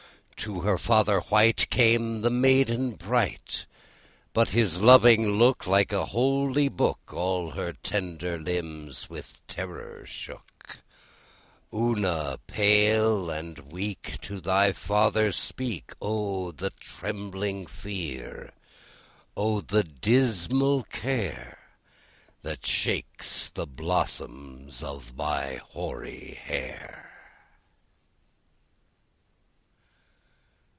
To her father white Came the maiden bright; But his loving look, Like the holy book, All her tender limbs with terror shook. Ona, pale and weak, To thy father speak! O the trembling fear! O the dismal care That shakes the blossoms of my hoary hair!